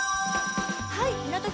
港区